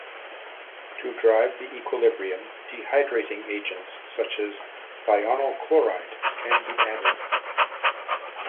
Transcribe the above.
To drive the equilibrium, dehydrating agents such as thionyl chloride can be added.